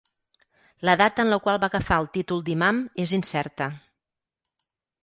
La data en la qual va agafar el títol d'imam és incerta.